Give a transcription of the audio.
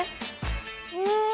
・うん。